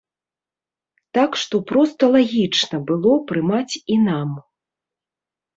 Так што, проста лагічна было прымаць і нам.